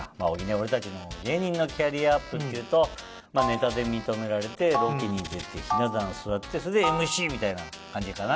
俺たちの芸人のキャリアアップっていうとネタで認められてロケに出て雛壇座ってそれでＭＣみたいな感じかな。